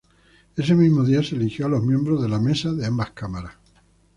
Ese mismo día se eligió a los miembros de la Mesa de ambas Cámaras.